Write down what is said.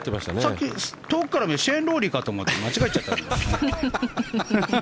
遠くからシェーン・ローリーかと思って間違えちゃった。